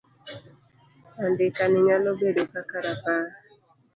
Andika ni nyalo bedo kaka rapar